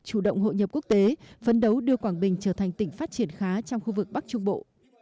chủ động hội nhập quốc tế phấn đấu đưa quảng bình trở thành tỉnh phát triển khá trong khu vực bắc trung bộ